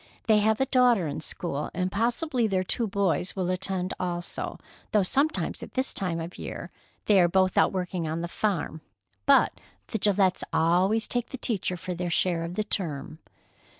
They have a daughter in school, and possibly their two boys will attend also, though sometimes at this time of year they are both out working on the farm. But the Gillettes always take the teacher for their share of the term."